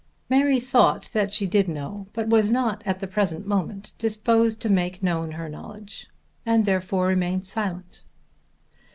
Mary thought that she did know, but was not at the present moment disposed to make known her knowledge and therefore remained silent.